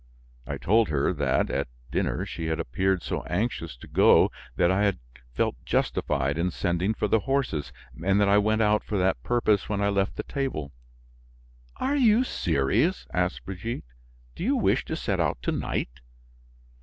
I told her that, at dinner, she had appeared so anxious to go that I had felt justified in sending for the horses and that I went out for that purpose when I left the table. "Are you serious?" asked Brigitte; "do you wish to set out to night?"